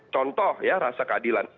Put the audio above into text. contoh ya rasa keadilan